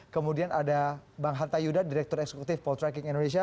kemudian ada bang hanta yudha direktur eksekutif poltracking indonesia